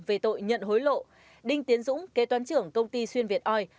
về tội nhận hối lộ đinh tiến dũng kế toán trưởng công ty xuyên việt oi